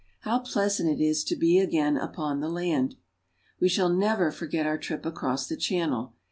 How pleas ant it is to be again upon land ! We shall never for get our trip across the Channel.